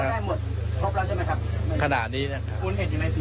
แต่ว่าได้หมดครบเราใช่มั้ยครับขนาดนี้นะครับ